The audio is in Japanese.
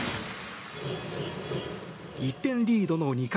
１点リードの２回。